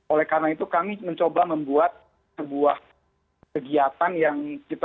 oleh karena itu kami mencoba membuat sebuah kegiatan yang kita sebut sebagai kjri